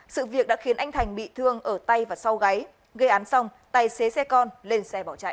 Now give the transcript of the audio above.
sự việc đã khiến anh thành bị thương ở tay và sau gáy gây án xong tài xế xe con lên xe bỏ chạy